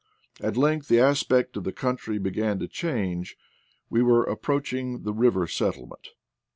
At length the aspect of the country began v to change : we were approaching the river settle ment.